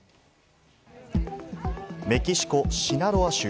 メキシコ・シナロア州。